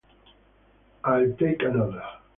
I’ll take another.